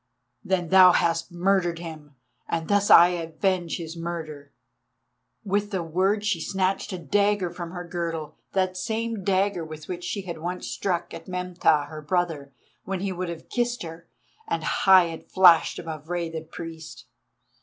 Then thou hast murdered him, and thus I avenge his murder." With the word she snatched a dagger from her girdle—that same dagger with which she had once struck at Meneptah her brother, when he would have kissed her—and high it flashed above Rei the Priest.